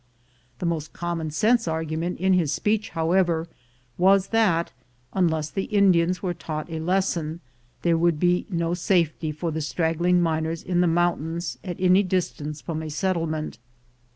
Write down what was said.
The most common sense argument in his speech, however, was, that unless the Indians were taught a lesson, there would be no safety for the strag gling miners in the mountains at any distance from a settlement.